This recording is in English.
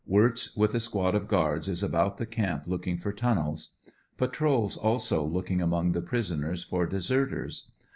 Wirtz with a squad of guards is about the camp looking for tunnels. Patrols also look ing among the prisoners for deserters.